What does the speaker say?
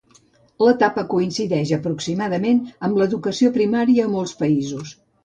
L'etapa coincideix aproximadament amb l'educació primària a molts països.